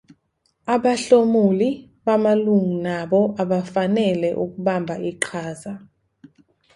Abahlomuli bamalungu nabo abafanele ukubamba iqhaza.